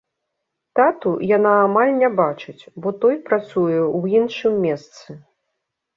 Тату яна амаль не бачыць, бо той працуе ў іншым месцы.